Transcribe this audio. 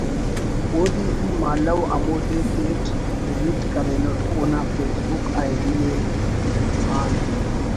اودے ای مہالو ہمو دے tight delete کرینُٹ اونا فیس بُک آئی ڈی ءِ اَن